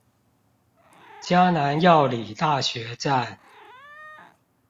嘉南藥理大學站